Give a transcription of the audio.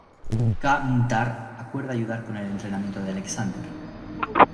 K’Mtar acuerda ayudar con el entrenamiento de Alexander.